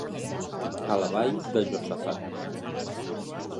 A la vall de Josafat.